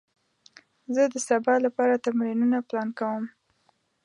زه د سبا لپاره تمرینونه پلان کوم.